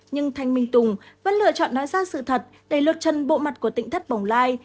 nhưng thanh minh tùng vẫn lựa chọn nói ra sự thật đầy lượt chân bộ mặt của tỉnh thất bổng lai